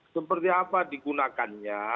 seperti apa digunakannya